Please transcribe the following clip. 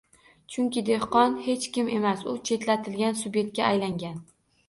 Chunki dehqon hech kim emas, u chetlatilgan sub'ektga aylangan